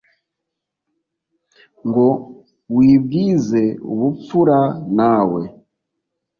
Ngo wibwize ubupfura na we